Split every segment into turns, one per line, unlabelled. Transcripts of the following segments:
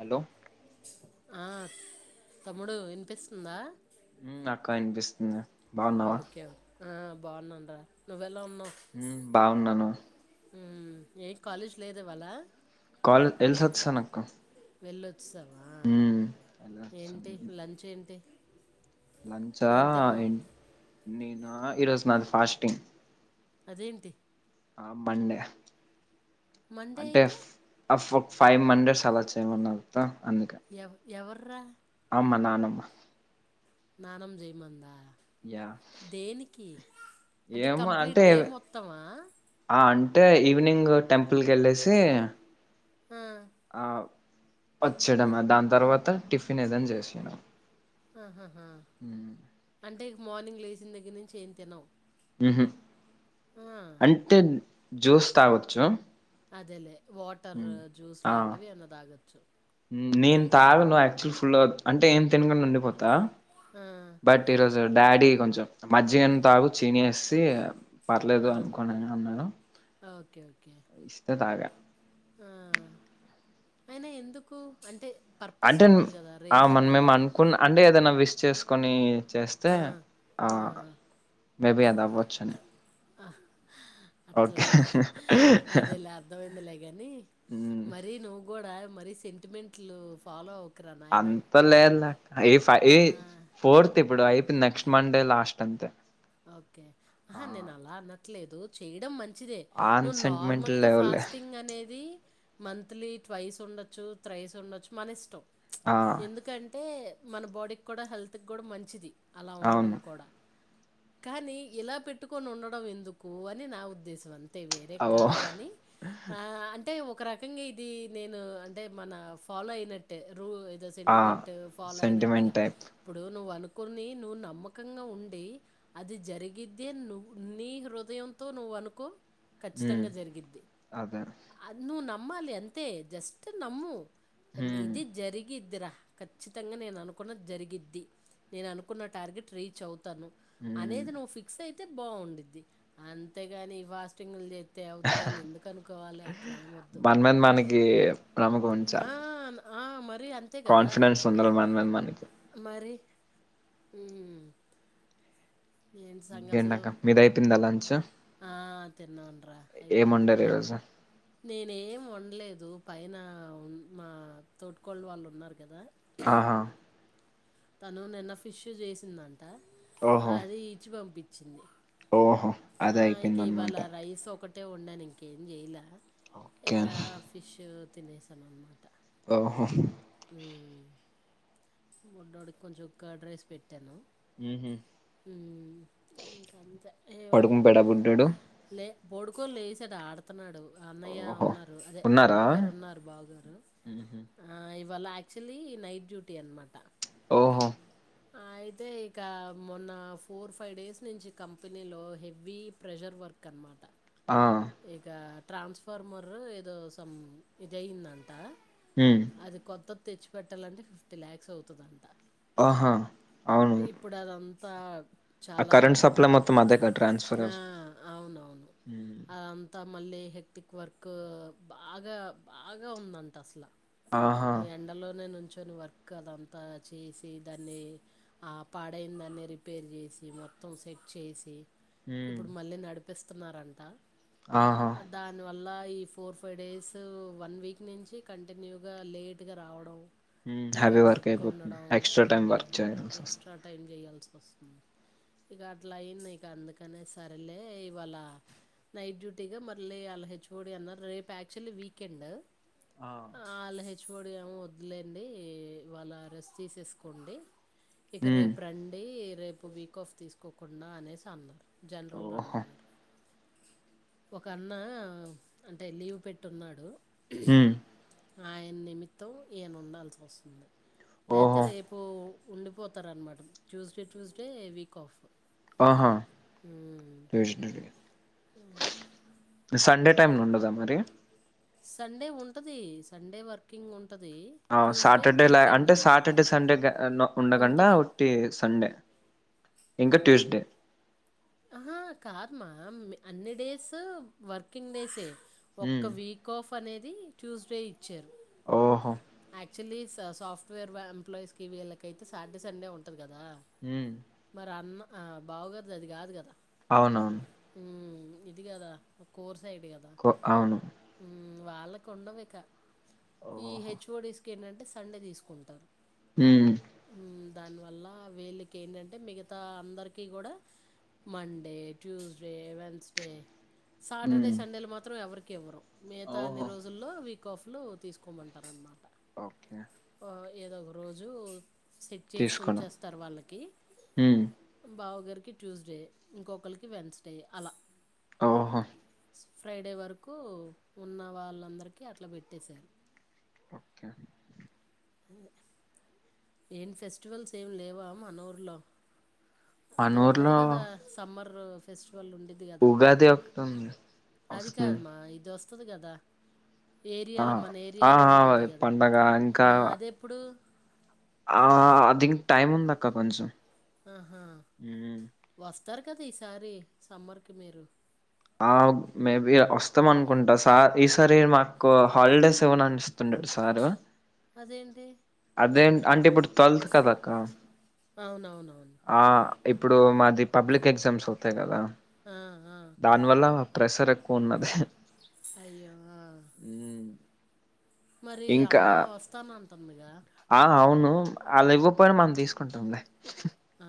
Hello
ఆ తమ్ముడు వినిపిస్తుందా
హుమ్ అక్క ఇనిపిస్తుంది
ఓకే ఆ బాగున్నామ్ రా నువేల ఉన్
ఉమ్ బాగున్నాను
హుమ్ ఏ కాలేజ్ లేద్ ఇవాళ
వాల్ తేల్ సత్ స నాక
వెళ్ళద్ వసవా ఏంటి లంచ్ ఏంటి ఏం తిన్నావు
నేను ఈ రోజు నాది ఫాస్టింగ్
అదేంటి
ఆ పండగ
మండే
అంటే
అయితే
ఫ్ ఆఫ్ ఫైవ్ మస్ అలా చేయమన్నాంత
ఎవ ఎవరు రా
మా నానమ్మ
నానమ్ జేయమందా
యా
దేనికి అంటే
ఏమో
కంప్లీట్ డే మొత్తమా
టే ఈవినింగ్ టెంపుల్ కి వెళ్ళేసి
ఆ,
వచ్చేడమే దాని తర్వాత టిఫిన్ ఏదనా చేసినా
ఆహ
హ
మార్నింగ్ లేచిన దగర నుంచి ఏం తినవు
హుం హు
ఆ,
అంటే జ్యూస్ తావచ్చు
అంతేలే వాటర్ జ్యూస్
ఆ
లాంటివి ఎన్నా తాగ చ్చ
నేను తాగ ను్ యాక్చువల్ ఫుల్ అంటే ఏం తినగ ఉండిపోతు త
ఆ.
బట్ ఈరోజు డాడీ కొంచెం మజ్జిగం తాగు చినేసి పర్లేదు
ఆ!
అనుకోన్నా అన్నాను
ఓకే. ఓకే.
ఇస్తే తాగా
ఆ అయిన ఎందుకు అంటే పర్పస్
అంటే
ఉంటది గదా!
మన
రీజన్
మేము
అనేది.
అనుకున్నా అంటే ఏదనా వి చేసుకొని చేస్తే
ఆ
ఆ మేబి అది అవ్వచ్చని
ఆ
ఓకే
అట్లా అదే లే అర్థమైందిలే కాని
హ్మ్.
మర నువ్వు కూడా మర సెంటిమెంట్లు ఫాలో అవ
అంత లేఏఫై
ఆ!
ఏఫోర్త్ ఇప్పుడు అయి నెక్స్ట్ మండే లాస్ట్ అంతే
ఓకే ఆహా
ఆ!
నేన అలా నట్లేదు చేయడం మన్ మంచిదే
ఆన్
నువ్వు నార్మల్
సెంటిమెంటల్
గా
లెవెల్
ఫాస్టింగ్ అనేది మంత్లీ ట్వైస్ ఉండొచ్చు త్రైస్ ఉండొచ్చు మన ఇష్టం
ఆ
ఎందుకంటే మన బాడీకి కూడా హెల్త్కి కూడా మంచిది అలా
అవును
ఉండడం కూడా కానీ ఇలా పెట్టుకొని ఉండడం ఎందుకు అని నా ఉద్దేశం అంత వేరేం
ఓ
కాదు గాని ఆ అంటే టే ఒక రకంగా ఇది నేను అంటే మన ఫాలో అయినట్టే రు ఏదో
ఆ
సెంటిమెంట్ ఫాలో
సెంటిమెంట్
అయినట్టుగా
టైప్
ఇప్పుడు నువ్వను కొన్ని నువ్ నమ్మకంగా ఉండి అది జరిగిద్ది నువ్వు నీ హృదయంతో నువ్వు అనుకో
ఉమ్
ఖచ్చితంగా జరిగిద్ది
అదే
అది నువ్ న మ్మాలి అంతే జస్ట్ నమ్ము
ఉమ్
లిది జరిగిద్దిరా ఖచ్చితంగా నేను అనుకున్నది జరిగిద్ది నేను అనుకున్న టార్గెట్ రీచ్ అవుతాను
ఉమ్
అనేది నువ్వు ఫిక్స్ అయితే బావుండిద్ది అంతేగానీ ఈ ఫాస్టింగ్ లు జే తే ఔతదాని ఎందుకు అనుకోవాలి అట్ల ఏమొద్దు ఆ,
కాముగుంచాల్
ఆ, మరి అంతే కదా
కాన్ఫిడెన్స్ ఉండాల మన మీద మనకి
ఊమ్
ఇంకేండక్క మీదైతుండలాన్ ఛా
ఆ తిన్నాన్రా అయిపోయింది
వండారు
ఇప్పుడే
ఈరోజు
నేనేం వన్ లేదు పైన మా తోటుకోళ్ళు వాళ్ళు ఉన్నారు కదా
ఆహా
తను నిన్న ఫిష్ చేసిందన్ టి
ఓహో
అది ఇచ్చి పంపి చింది
ఓహో అది అయిపోయింది అనమాట
రైస్ ఒకటే టే ఓండానింకేం చేయలా ఈ
ఓకే
ఆ ఫిష్ తినేసాను అన్మాట
ఓహో
ఊ బుడ్డోడికి కొంచెం కర్డ్ రైస్ పె ట్టాను
ఉహు
ఉమ్ ఇంకంతే ఏ వాడికి
పడుకుని పోయాడా
పప్పు
బుడ్డోడు
లే బోడుకొని లేసేదో ఆడుతున్నాడు అన్నయ్య
ఓహో
ఉన్నారు అదే
ఉన్నారా
బావుగారు ఉన్నారు బావుగారు
మ్మ్హ.
ఆ ఇవ్ వాల యాక్చువల్లీ నైట్ డ్యూటీ అన్మా
ఓహో
అయితే ఇక మొన్న ఫోర్ ఫైవ్ డేస్ నుంచి కంపెనీలో హెవ్వీ ప్రెషర్ వర్క్ అనమాట
ఆ
ఇక ట్రాన్స్ఫార్మర్ ఏదో సమ్ ఇది అయిందంట
ఉమ్
అది కొత్త తెచ్చిపెట్టాలంటే ఫిఫ్టీ ల్యాక్స్ అవుతుందంట
ఆహా అవును
త
ఆ కరెంట్ సప్లై మొత్తం అదెగ ట్రాన్స్ఫర్
అ అంత మళ్ళీ హెక్టిక్ వర్క్ బాగా బాగా ఉందంట అసలు
ఆహా
ఈ ఎండలోనేే నుంచి వర్క్ అదంతా చేసి దాన్ని ఆ పాడైన దాన్ని రిపేర్ చేసి మొత్తం సెట్ చేసి ఇప్పుడు మళ్ళీ నడుపు కనిపిస్తున్నారంట
ఆహా
దాని వల్ల అలా ఈ four five days one week నుంచి కంటిన్యూ లేట్ గా రావడం
హ
ఇక
వర్క్ అయిపోతుంది
ఉండడం
ఎక్సట్రా టైమ్
మ్మ్.
వర్క్ చేయాల్సివస్తుంది
ఎక్స్ట్రా టైం చేయాల్సి ఇక అట్లా అయింది ఇక అందుకనే సరలే ఇవాళ నైట్ డ్యూటీగా మళ్ళీ అళ హెచ్ఓడి అన్నారు రేపు యాక్చువల్లీ వీకెండ్
ఆ
వాళ్ళ హెచ్ఓడి ఏమో వద్దులెండి ఇవాళ రెస్ట్ తీసేసుకోండి ఇక
మ్మ్
రేపు రండి రేపు రేపు వీక్ ఆఫ్ తీసుకోకుండా అనేసి అన్నారు జనరల్
ఓహో
రమ్మన్నారు ఒక అన్న అంటే లీవ్ పెట్టున్నాడు
హ
ఆయన నిమిత్తం ఈయన ఉండాల్సి వస్తుంది లేతే
ఓహో
రేపు ఉండిపోతారన్నమాట ట్యూస్డే ట్యూస్డే వీక్ ఆఫ్
ఆహా తె
ఆ
సండే టైమ్ ను ఉండదా మరి
సండే ఉంటది సండే వర్కింగ్ ఉంట
సాటర్డే లా అంటే
అనమాట
సాటర్డే సండే ఉండకుండా
ఉంటుంది
ఒట్టి సండే ఇంకా ట్యూస్డే
ఆ కాదు మా అన్ని డేస్ వర్కింగ్ డేసే ఒక్క
మ్మ్
వీక్ ఆఫ్ అనేది ట్యూస్డే. యాక్చువల్లీ.
ఓహో
చిల్లీ సాస్ సాఫ్ట్వేర్ ఎంప్లాయీస్ కి వీళ్ళకయితే సాటర్డే సండే ఉంటది కదా. ఆహ్
మ్మ్
మరి అమ్మ. ఆహ్ బావగారిది అది కాదు కదా.
అవునవును.
ఉమ్, ఇది కదా కోర్స్. ఫ్రైడే కదా
కో అవును
ఉమ్. వాళ్ళకు వుండవు ఇక. ఈ
ఓహో
హెచ్చ్ఓడిస్. ఏందంటే సండే తీసుకుంటారు.
ఉమ్.
ఉమ్, దానివల్ల వీళ్ళకి ఏంటంటే మిగతా అందరికీ కూడా. Monday, Tuesday, Wednesday. సాటర్డే
మ్మ్
సండేలు మాత్రం ఎవరికి. ఎవరో. మిగతా అన్ని
ఓహో
రోజుల్లో విక్. కాఫ్లు తీసుకోమంటార అనమాట.
ఓకే.
ఏదో ఒక రోజు. సెట్ చేసి
తీసుకున్నాం
ఉంచేస్తారు వాళ్ళకి
మ్మ్
బావగారికి. ట్యూస్డే. ఇంకొకళ్ళకి వెన్స్డే అలా.
ఓహో.
ఫ్రైడే వరకు ఉన్న వాళ్ళందరికీ అట్లా పెట్టేశారు.
ఓకే.
ఏం ఫెస్టివల్స్ ఏమి లేవా మానూర్లో. అది
మన
ఉంటది
ఊర్లో
కదా సమ్మర్. ఫెస్ట్. వాళ్ళు ఉండేది కదా
ఉగాది ఒకటి ఉంది
అది
వస్తుంది
కాదుమా ఇదోస్త్. వస్తుంది కదా.
ఆ
ఏరియాలో మన
ఆ
ఏరియాలో
ఆ
ఉండుది కదా
పండగ
ఆహ్ అది ఎప్పుడు.
ఆహ్ దినికి టైమ్ ఉంది అక్క కొంచెం.
ఆహ్
మ్మ్.
వస్. వస్తారు కదా ఈసారి సమ్మర్కి మీరు.
ఆ మేబి వస్తాం అనుకుంటా సార్ ఈసారి మాకు హాలిడేస్ ఏవనా అనిపిస్తుండాడు సారు
ద
అదే అంటే ఇప్పుడు తట్్వల్త్ కదాక్క
అవునవునవును
ఇప్పుడు మాది పబ్లిక్ ఎగ్జామ్స్ అతాయి కదా
ఆ ఆా
ప్రెసర్ ఎక్కువ ఉన్నది
అయ్యో
మ్మ్.
మరి
ఇంకా
అమ్మ వస్తానంత పొమిగా
ఆ అవును అళ్ళ ఇవ్వపోయినా మనం తీసుకుంటుంది
ఆ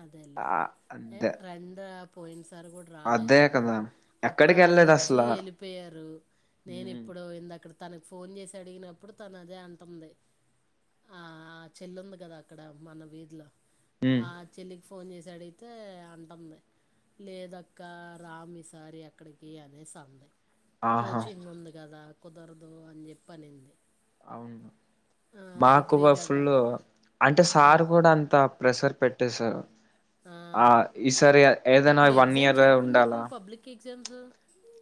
అదేలేే
ఆ అదే
ర పోయింట్స్ సర కూడా రాలేదు కదా అప్పుడు
ఎక్కడికి వెళ్ళలేదు
వాళ్ళొచ్చి
అసలా
వెళ్ళిపోయారు నేను
ఉమ్.
ఇప్పుడు ఇంద అక్కడ తన ఫోన్ చేసి అడిగినప్పుడు తను అదే అంటుంది చెల్లుంది కదా అక్కడ మన వీధిలో
హ
తళ్ళకి ఫోన్ చేసాడయితే అంటుంది లేదక్క రామిసారి అక్కడికి అనేసి అంది
ఆహా
కోచింగ్ ఉంది కదా కుదరదు అని చెప్పనింది
అవును మాకు
కదా
ఫుల్ అంటే
ఆ
సార్ కూడా అంత ప్రెసర్ పెట్టేశారు ఆ ఈ సారి ఏదైనా
ఇప్పుడు
వన్
ఎగ్జామ్స్
ఇయర్
ఎప్పుడు మీకు
ఉండాలా
పబ్లిక్ ఎగ్జామ్స్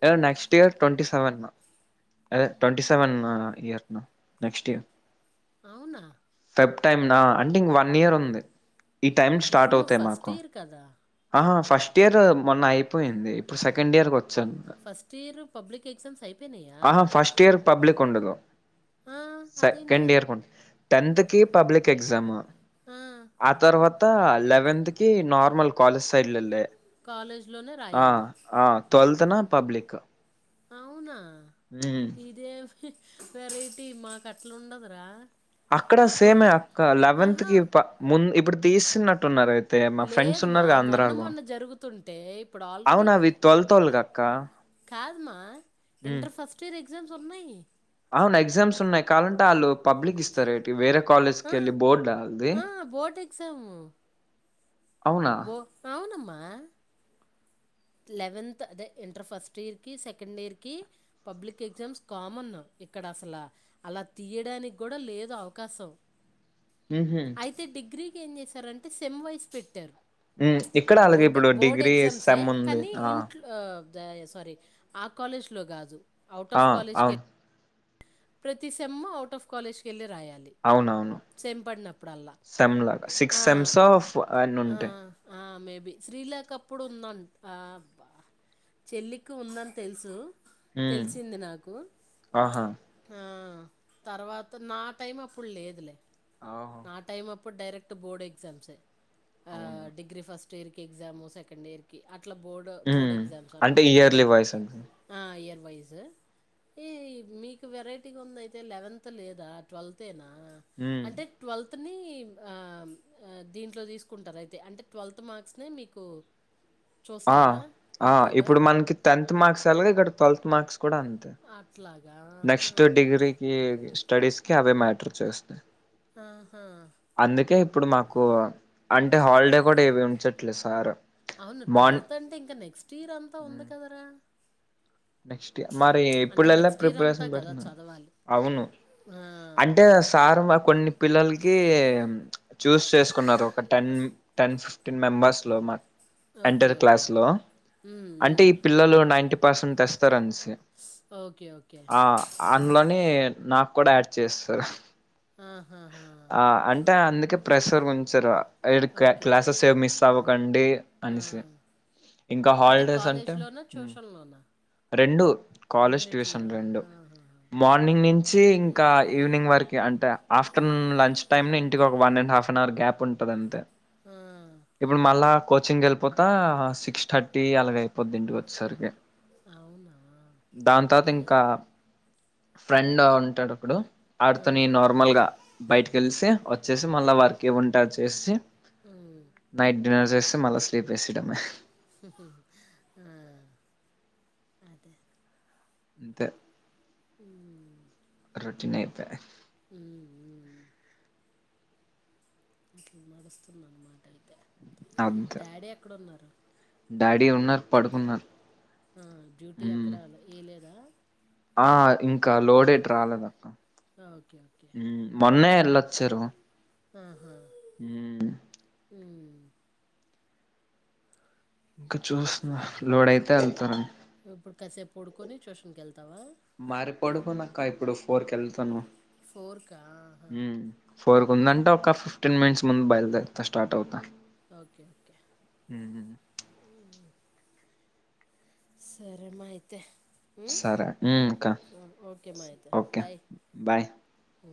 ఏ నెక్స్ట్ ఇయర్ట్వ వ అదే twenty seven year next year
అవునా
టైమ్నా అంటే ఇం వన్ ఇయర్ ఉంది ఈ టైమ్ స్టార్ట్
ఇప్పుడు నువ్వు
అవుతాయి
ఫస్ట్
మాకు
ఇయర్ కదా
ఆహ ఫస్ట్ ఇయర్ మొన్న అయిపోయింది ఇప్పుడు సెకండ్ ఇయర్ వచ్చా
ఫస్ట్ ఇయర్ పబ్లిక్ ఎగ్జామ్స్ అయిపోయినాయా
ఆహా ఫస్ట్ ఇయర్ పబ్లిక్ ఉండదు
ఆ అదేంటి
సెకండ్ ఇయర్ కొ టెన్త్ కే పబ్లిక్ ఎగ్జామా
ఆ
అతర్హత్ లెవెంత కి నార్మల్ కాలస్ సైడ్
కాలేజ్లోనే రాయాలి
[inaudible] ట్వల్త్నా పబ్లిక్
అవునా
ఉమ్
ఇదేం వెరైటీ మాకు అట్లుండదురా
అక్కడ సేమే అక్క లెవెంత్
ఆహా
కి ముందు ఇప్పుడు తీసినట్టున్నారు అయితే మా ఫ్రెండ్స్
లేదుమా
ఉన్నారుగా
మొన్న
ఆంధ్రాలో
మొన్న జరుగుతుంటే ఇప్పుడు ఆల్రెడీ
అవును అవి ట్వెల్త్ వోళ్ళకి అక్క
కాదుమా
ఉమ్
inter first year exams ఉన్నాయి
అవును ఎగ్జామ్స్ ఉన్నాయి కావాలంటే వాళ్ళు పబ్లిక్ ఇస్తారు వేరే
ఆ
కాలేజ్కెళ్ళి బోర్డా వాళ్ళది
ఆ! Board exam. బో అవునమ్మా లెవెన్త్ అదే ఇంటర్ ఫస్ట్ ఇయర్కి సెకండ్ ఇయర్కి పబ్లిక్ ఎగ్జామ్స్ కామన్ ఇక్కడ అసలు అలా తీయడానికి కూడా లేదు అవకాశం
ఉహు
అయితే డిగ్రీ ఏం చేశారంటే సెమ్ వైస్ పెట్టారు
ఇక్కడ అలాగే
బోర్డ్
ఇప్పుడు
బోర్డ్
డిగ్రీ
ఎగ్జామ్సే
సెమ్ ఉంది
కానీ
ఆ
ఇంట్లో ఆహ్, సారీ ఆ కాలేజ్లో కాదు ఔట్
ఆ
ఆఫ్ కాలజ్ కే
అవును
ప్రతి సెమ్ ఔట్ ఆఫ్ కాలేజ్ కెళ్ళి రాయాలి
అవునవును
సెమ్ పడినప్పుడల్లా.
సెమ్ లాగా సిక్స్
ఆ!
సెమ్స్ ఆఫ్ అన్ ఉంటాయి
శ్రీలేకప్పుడు ఉందం బ చెల్లికి ఉందని తెలుసు
హ
తెలిసింది నాకు.
ఆహా
ఆ తర్వాత నా టైం అప్పుడు లేదులే
ఆహో
నా టైం అప్ ప్పుడు డైరెక్ట్ బోర్డ్ ఎగ్జామ్స్
అవునా
degree first year exam second year కి అట్ల బోర్డు బోర్డు
ఉమ్
ఎగ్జామ్స్
అంటే
అన్నమాట కానీ
ఇయర్లీ వైస్ అండి
ఆహ్ ఇయర్లీ వైస్ ఈ మీకు వెరైటీగా ఉంది అయితే లెవెన్త్ లేదా ట్వెల్త్ఏనా
హ
త్ని దీంట్లో తీసుకుంటారు అయితే అంటే ట్వెల్త్ మార్క్స్నే మీకు
ఆ
చూస్తారా
ఆ
ఎక్కువగా?
ఇప్పుడు మనకి టెన్త్ మార్క్స్ ఎలాగో ఇక్కడ ట్వెల్త్ మార్క్స్ కూడా అంతే
అట్లాగా.
నెక్స్ట్
ఆహా!
డిగ్రీకి స్టడీస్ కి అవే మ్యాటర్ చేస్తున్నాయి
ఆహా
మాకు అంటే హాలిడే కూడా ఏవి ఉంచట్లేదు సార్
అవును
మార్న్
ట్వెల్త్ అంటే ఇంకా నెక్స్ట్ ఇయర్ అంతా ఉంది కదరా
నెక్స్ట్ ఇ మరి
అంటే
ఇప్పుడులా
నెక్స్ట్ ఇయర్ అంతా
ప్రిపరేషన్
కదా
పెడుతున్నాను
చదవాలి.
అవును
ఆ!
అంటే సార్ మా కొన్ని పిల్లలకి కి చూస్ చేసుకున్నారు ఒక టెన్ టెన్ ఫిఫ్టీన్ మెంబర్స్ లో మా
ఓకే.
Enter
okay.
క్లాస్ లో
హ్మ్.
అంటే
హ్మ్.
ఈ పిల్లలు నైన్టీ సన్ తెస్తరన్స్
ఓకే. ఓకే.
ఆ అన్లా నీ నాక్కూడా యాడ్ చేస్సరు
ఆహహా
ట అందుకే ప్రెషర్ వుంచర ఏడు క్ల
ఓకే.
క్లాసెస్ ఏ మిస్ తవకండి
ఆ ఓకే అంటే కాలేజ్ లోనా ట్యూషన్ లోనా
రెండు కాలేజ్ ట్యూషన్ రెండు
ఆహాహా!
మార్నింగ్ నుంచి ఇంకా ఈవినింగ్ వరకే అంటే ఆఫ్టర్నూన్ లంచ్ టైమ్ నేన్. ఇంటికి ఒక one and half an hour gap ఉంటది అంతే
ఆ!
ఇప్పుడు మల్లా కోచింగ్ వెళ్ళిపోతా సిక్స్ థర్టీ అలాగ అయిపోద్ది ఇంటికి వచ్చేసరికి
అవునా!
దాని తరవాత ఇం కా ఫ్రెండ్ ఉంటాడు ఒకడు
ఆ!
ఆడితోని నార్మల్ గా బయట కలిసి వచ్చేసి మళ్ళా వర్కే ఉంటే అవి చేసి
హ్మ్.
నైట్ డిన్నర్ చేసి మళ్ళీ స్లీప్ వేసేయడమే
ఆ అదే
అంతే
అ
రొటీన్ అంతే
ఉ అట్లా నడుస్తున్నామాట యితే
అంతే
డాడీ ఎక్కడన్నారు
డాడీ ఉన్నారు పడుకున్నారు
ఆ డ్యూటీ
ఉమ్.
ఎక్కడ ఏ లేదా
ఆ ఇంకా లోడేట్ రాలేదక్క
ఆ! ఓకే. ఓకే.
ఉ మొన్నే వెళ్ళొచ్చారు
ఆహా!
ఊ
హ్మ్.
ఇంకా చూస్తున్నా లోడ్ అయితే వెళ్తా రని
ఇప్పుడు కాసేపు పొడుకొని ట్యూషన్ కి ఎల్
మారిపోడు అవును అక్క ఇప్పుడు ఫోర్ కి ఎళ్తాను
ఆహా!
ఉ ఫోర్ కు ఉందంట ఒక ఫిఫ్ టెన్ మినిట్స్ ముందు బయలుదేరుతా స్టార్ట్ అవుతా
ఓకే ఓకే
ఉమ్
సరే మా అయితే హ్మ్.
సరే ఉ అక్కా
ఓకే
ఓకే బాయ్
ఉ